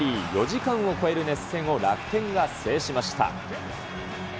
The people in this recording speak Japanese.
４時間を超える熱戦を楽天が制しました。